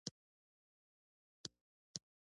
پسه د ژوند یو خوږ اړخ دی.